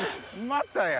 またや。